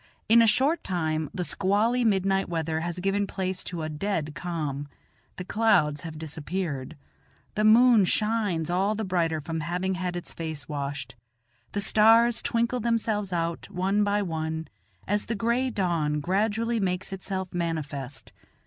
In a short time the squally midnight weather has given place to a dead calm; the clouds have dispersed; the moon shines all the brighter from having had its face washed; the stars twinkle themselves out one by one as the gray dawn gradually makes itself manifest.